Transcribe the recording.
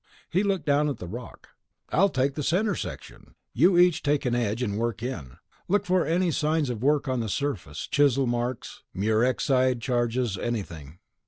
He looked down at the rock. "I'll take the center section. You each take an edge and work in. Look for any signs of work on the surface ... chisel marks, Murexide charges, anything."